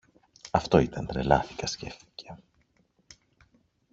Αυτό ήταν, τρελάθηκα, σκέφτηκε